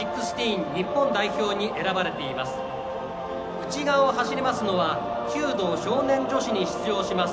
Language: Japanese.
外側を走りますのはサッカー少年男子に出場します